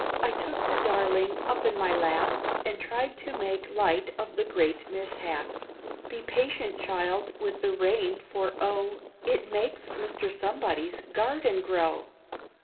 I took the darling up in my lap, And tried to make light of the great mishap. "Be patient, child, with the rain, for oh, It makes Mr. Somebody's garden grow!"